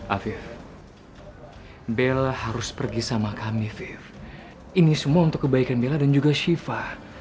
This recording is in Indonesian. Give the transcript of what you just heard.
ah fiv bella harus pergi sama kami fiv ini semua untuk kebaikan bella dan juga syifa